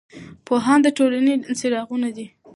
پوهان د ټولنې څراغونه دي.